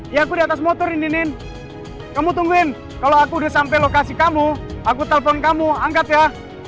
ya aku di atas motor ini nen kamu tungguin kalau aku udah sampai lokasi kamu aku telpon kamu angkat ya